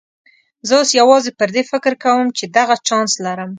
زه اوس یوازې پر دې فکر کوم چې دغه چانس لرم.